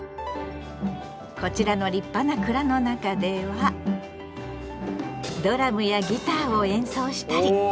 こちらの立派な蔵の中ではドラムやギターを演奏したり。